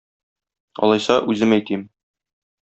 Алайса, үзем әйтим.